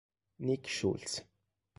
Nick Schultz